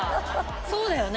そうだよね。